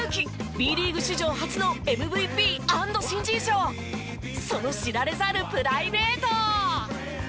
Ｂリーグ史上初のＭＶＰ＆新人賞その知られざるプライベート！